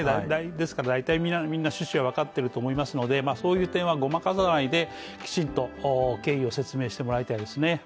ですから、みんなは大体趣旨は分かっていると思いますので、そういう点はごまかさないできちんと経緯を説明してもらいたいですね。